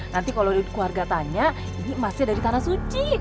nanti kalau keluarga tanya ini emasnya dari tanah suci